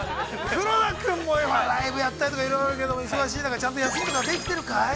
◆黒田君もライブやったりとかいろいろあるけども忙しい中でちゃんと休みとかできてるかい？